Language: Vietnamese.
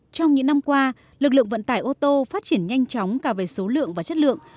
trong những năm qua lực lượng vận tải ô tô phát triển nhanh chóng cả về số lượng và chất lượng